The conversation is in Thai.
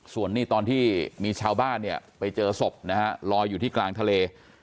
ส่วนนี้ตอนที่มีชาวบ้านเนี่ยไปเจอศพนะฮะลอยอยู่ที่กลางทะเล